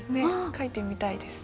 書いてみたいです。